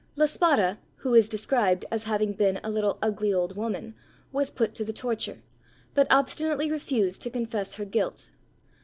La Spara, who is described as having been a little ugly old woman, was put to the torture, but obstinately refused to confess her guilt.